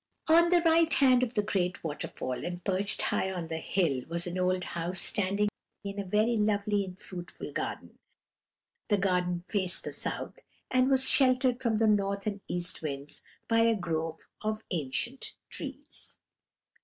"On the right hand of the great waterfall, and perched high on the hill, was an old house standing in a very lovely and fruitful garden; the garden faced the south, and was sheltered from the north and east winds by a grove of ancient trees.